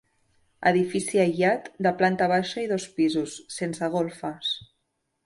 Edifici aïllat, de planta baixa i dos pisos, sense golfes.